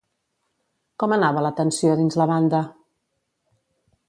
Com anava la tensió dins la banda?